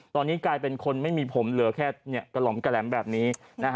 ตอนนี้กลายเป็นคนไม่มีผมเหลือแค่กระหล่อมกระแหลมแบบนี้